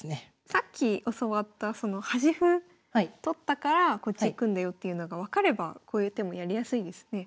さっき教わったその端歩取ったからこっち行くんだよっていうのが分かればこういう手もやりやすいですね。